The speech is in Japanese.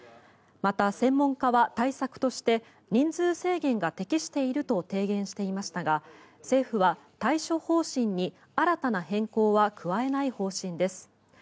また、専門家は対策として人数制限が適していると提言していましたが政府は対処方針に新たな変更は加えない方針です。